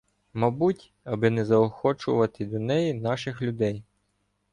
Мабуть, аби не заохочувати до неї наших людей